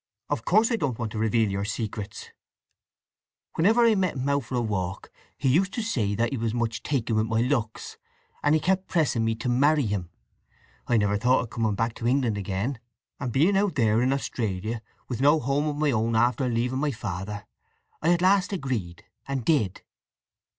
"Of course I don't want to reveal your secrets." "Whenever I met him out for a walk, he used to say that he was much taken with my looks, and he kept pressing me to marry him. I never thought of coming back to England again; and being out there in Australia, with no home of my own after leaving my father, I at last agreed, and did."